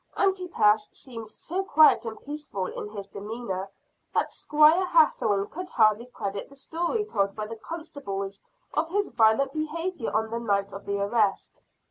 Antipas seemed so quiet and peaceful in his demeanor, that Squire Hathorne could hardly credit the story told by the constables of his violent behavior on the night of the arrest.